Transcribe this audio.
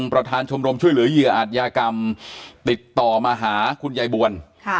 ประธานชมรมช่วยเหลือเหยื่ออาจยากรรมติดต่อมาหาคุณยายบวล